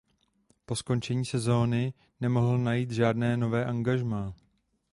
Po skončení sezony nemohl najít žádné nové angažmá.